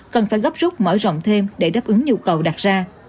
cần phải gấp rút mở rộng thêm để đáp ứng nhu cầu đặt ra